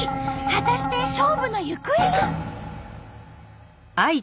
果たして勝負の行方は？